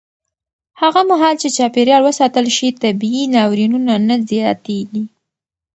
هغه مهال چې چاپېریال وساتل شي، طبیعي ناورینونه نه زیاتېږي.